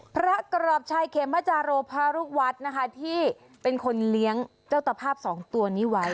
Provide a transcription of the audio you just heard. ประกอบชัยเขมจาโรพระลูกวัดนะคะที่เป็นคนเลี้ยงเจ้าตภาพสองตัวนี้ไว้